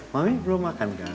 mami belum makan kan